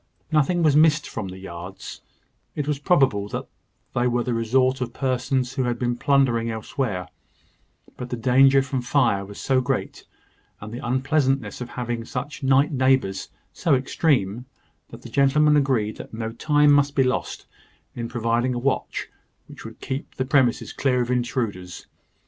Nothing was missed from the yards: it was probable that they were the resort of persons who had been plundering elsewhere: but the danger from fire was so great, and the unpleasantness of having such night neighbours so extreme, that the gentlemen agreed that no time must be lost in providing a watch, which would keep the premises clear of intruders.